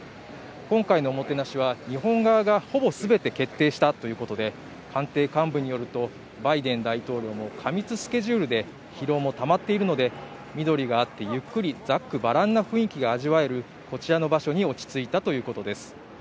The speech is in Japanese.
今回のおもてなしは日本側がほぼ全て決定したということで官邸幹部によるとバイデン大統領も過密スケジュールで疲労もたまっているので、緑があって、ゆっくりざっくばらんな雰囲気が味わえるこちらの場所に落ち着いたということです。